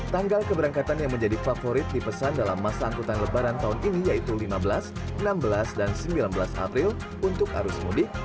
tanggal keberangkatan yang menjadi favorit dipesan dalam masa angkutan lebaran tahun ini yaitu lima belas enam belas dan sembilan belas april untuk arus mudik